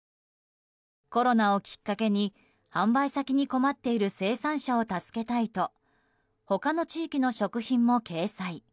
コロナをきっかけに販売先に困っている生産者を助けたいと他の地域の食品も掲載。